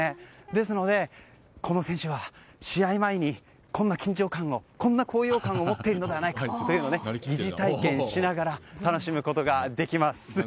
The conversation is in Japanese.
ですので、この選手は試合前にこんな緊張感、高揚感を持っているのではないかというのを疑似体験しながら楽しむことができます。